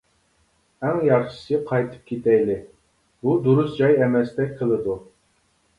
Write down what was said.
ئەڭ ياخشىسى قايتىپ كېتەيلى، بۇ دۇرۇس جاي ئەمەستەك قىلىدۇ.